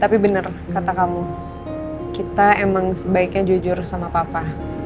tapi benar kata kamu kita emang sebaiknya jujur sama papa